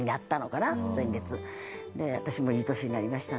で私もいい年になりましたんで。